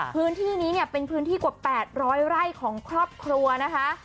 พื้นที่นี้เนี่ยเป็นพื้นที่กว่า๘๐๐ไร่ของครอบครัวนะคะ